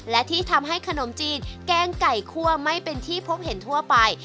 และที่ทำให้ขนมจีนแกงไก่คั่วไม่เป็นที่พบเห็นทั่วไป